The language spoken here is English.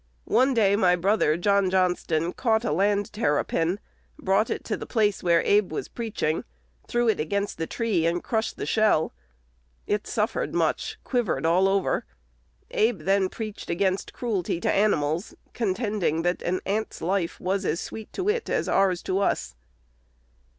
One day my brother, John Johnston, caught a land terrapin, brought it to the place where Abe was preaching, threw it against the tree, and crushed the shell. It suffered much, quivered all over. Abe then preached against cruelty to animals, contending that an ant's life was as sweet to it as ours to us."